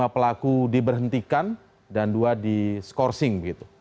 lima pelaku diberhentikan dan dua di scourcing